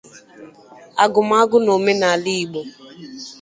agụmagụ na omenala Igbo.